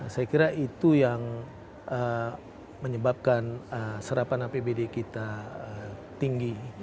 saya kira itu yang menyebabkan serapan apbd kita tinggi